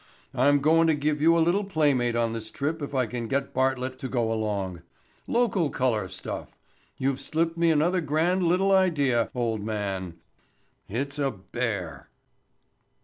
"I'm goin' to give you a little playmate on this trip if I can get Bartlett to go along. Local color stuff. You've slipped me another grand little idea, old man. It's a bear."